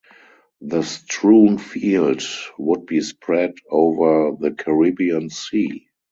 The strewn field would be spread over the Caribbean Sea.